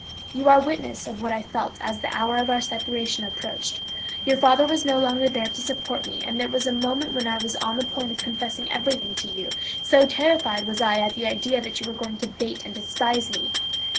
You are witness of what I felt as the hour of our separation approached; your father was no longer there to support me, and there was a moment when I was on the point of confessing everything to you, so terrified was I at the idea that you were going to hate and despise me.